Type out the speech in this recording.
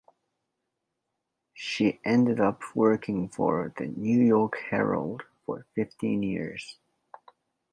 She ended up working for the "New York Herald" for fifteen years.